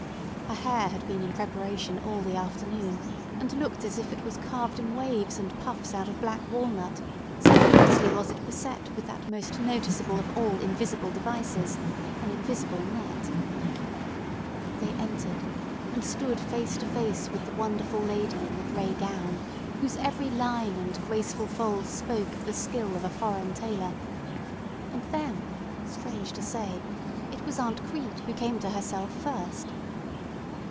Her hair had been in preparation all the afternoon, and looked as if it was carved in waves and puffs out of black walnut, so closely was it beset with that most noticeable of all invisible devices, an invisible net. [Illustration: "THEY STOOD FACE TO FACE WITH THE WONDERFUL LADY IN THE GRAY GOWN"] They entered, and stood face to face with the wonderful lady in the gray gown, whose every line and graceful fold spoke of the skill of a foreign tailor. And then, strange to say, it was Aunt Crete who came to herself first.